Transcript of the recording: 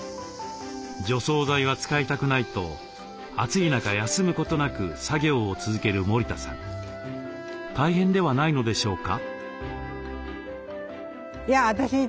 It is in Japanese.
除草剤は使いたくないと暑い中休むことなく作業を続ける森田さん大変ではないのでしょうか？